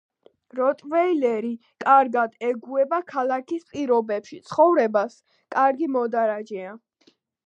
როტვეილერი კარგად ეგუება ქალაქის პირობებში ცხოვრებას, კარგი მოდარაჯეა.